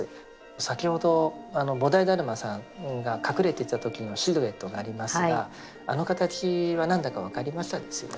先ほど菩提達磨さんが隠れていた時のシルエットがありますがあの形は何だか分かりましたですよね？